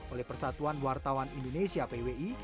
oleh persatuan wartawan indonesia pwi